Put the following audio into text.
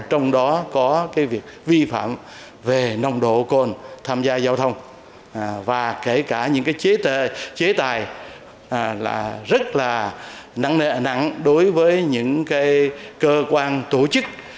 trong đó có cái việc vi phạm về nông độ côn tham gia giao thông và kể cả những cái chế tài là rất là nặng nặng đối với những cái cơ quan tổ chức